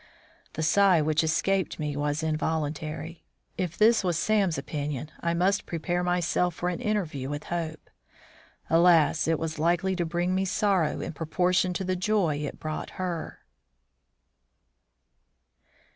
The sigh which escaped me was involuntary. If this was Sam's opinion, I must prepare myself for an interview with Hope. Alas! it was likely to bring me sorrow in proportion to the joy it brought her.